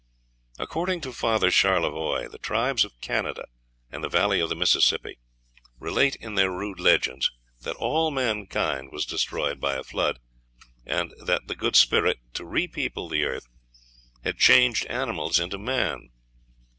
According to Father Charlevoix, the tribes of Canada and the valley of the Mississippi relate in their rude legends that all mankind was destroyed by a flood, and that the Good Spirit, to repeople the earth, had changed animals into men.